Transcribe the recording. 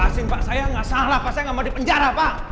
asing pak saya nggak salah pak saya nggak mau di penjara pak